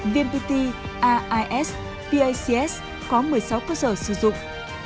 vmpt ais pics có một mươi sáu cơ sở sử dụng